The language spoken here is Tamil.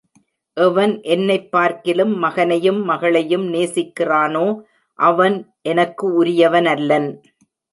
எவன் என்னைப் பார்க்கிலும் மகனையும் மகளையும் நேசிக்கிறானோ, அவன் எனக்கு உரியவனல்லன்.